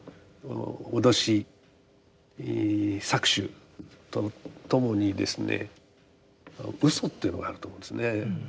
脅し搾取とともにですね嘘というのがあると思うんですね。